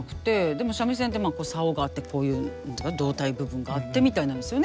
でも三味線って棹があってこういう胴体部分があってみたいなんですよね。